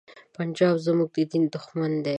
پنجاب زمونږ د دین دښمن دی.